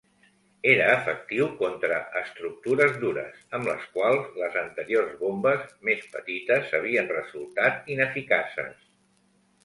Era efectiu contra estructures dures, amb les quals les anteriors bombes, més petites, havien resultat ineficaces.